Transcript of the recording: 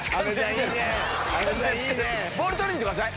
ボール取りにいってください。